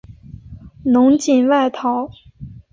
侬锦外逃。